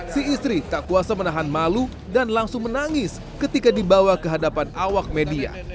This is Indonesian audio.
si istri tak kuasa menahan malu dan langsung menangis ketika dibawa ke hadapan awak media